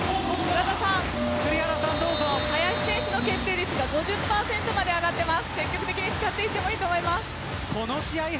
林選手の決定率は５０％まで上がっています。